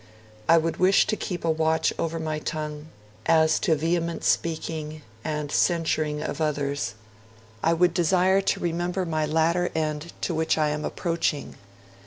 I would wish to keep a watch over my tongue, as to vehement speaking and censuring of others ...I would desire to remember my latter end to which I am approaching